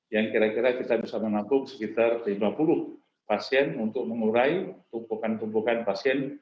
yang kira kira kita bisa menampung sekitar lima puluh pasien untuk mengurai tumpukan tumpukan pasien